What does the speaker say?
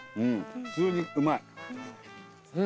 普通にうまい。